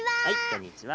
こんにちは。